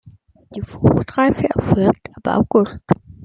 Die Fruchtreife erfolgt ab August.